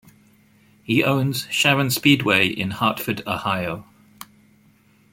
He owns Sharon Speedway in Hartford, Ohio.